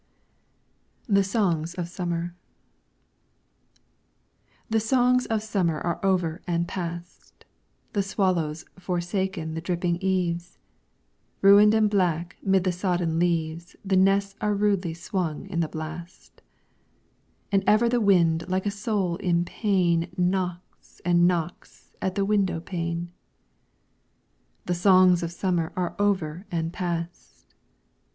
THE SONGS OF SUMMER The songs of summer are over and past! The swallow's forsaken the dripping eaves; Ruined and black 'mid the sodden leaves The nests are rudely swung in the blast: And ever the wind like a soul in pain Knocks and knocks at the window pane. The songs of summer are over and past!